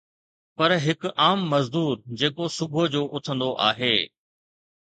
پر هڪ عام مزدور جيڪو صبح جو اٿندو آهي